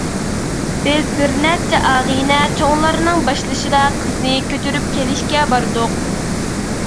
بىز بىرنەچچە ئاغىنە چوڭلارنىڭ باشلىشىدا قىزنى كۆچۈرۈپ كېلىشكە باردۇق.